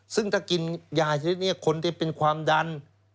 ซึ่งถ้ากินยาชนิดนี้คนที่เป็นความดัน